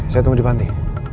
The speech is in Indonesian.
saya tunggu di panti